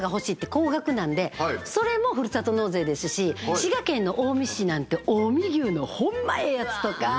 高額なんでそれもふるさと納税ですし滋賀県の近江市なんて近江牛のホンマええやつとか。